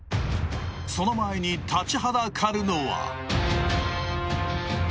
その前に立ちはだかるのは。